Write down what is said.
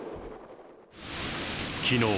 きのう。